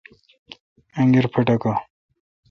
انگیر پھٹھکہ